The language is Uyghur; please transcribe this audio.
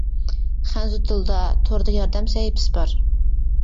خەنزۇ تىلىدا توردا ياردەم سەھىپىسى بار.